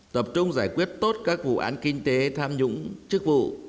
tập trung giải quyết tốt các vụ án kinh tế tham nhũng chức vụ